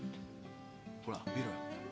ほら見ろよ。